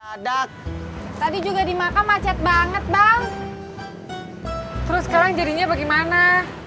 ada tadi juga di makam macet banget bang terus sekarang jadinya bagaimana